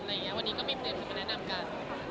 อะไรอย่างเงี้ยวันนี้ก็มีคนแบบมาแนะนำกัน